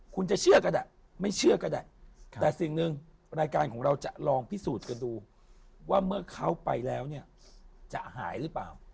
คุณจะเชื่อก็ได้ไม่เชื่อก็ได้แต่สิ่งหนึ่งรายการของเราจะลองพิสูจน์กันดูว่าเมื่อเขาไปแล้วเนี่ยจะหายหรือเปล่า